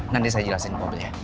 nanti saya jelasin ke mobil ya